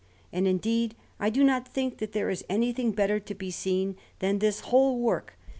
And, indeed, I do not think that there is anything better to be seen than this whole work.